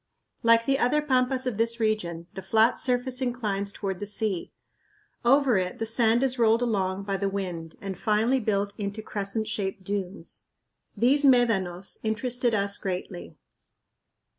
Like the other pampas of this region, the flat surface inclines toward the sea. Over it the sand is rolled along by the wind and finally built into crescent shaped dunes. These médanos interested us greatly.